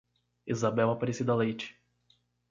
Isabel Aparecida Leite